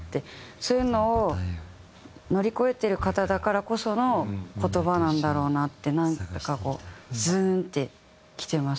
そういうのを乗り越えている方だからこその言葉なんだろうなってなんかこうズーンってきてます